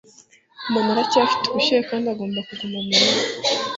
Mona aracyafite ubushyuhe kandi agomba kuguma murugo